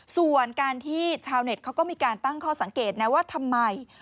ส่วนการที่ชาวเน็ตเขาก็มีการตั้งข้อสังเกตนะว่าทำไม